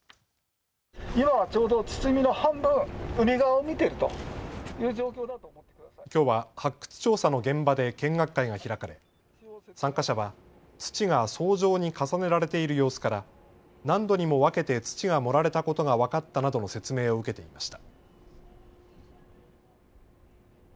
今、ちょうど堤の半分、きょうは発掘調査の現場で見学会が開かれ、参加者は、土が層状に重ねられている様子から、何度にも分けて土が盛られたことが分かったなどの説明を受けていました。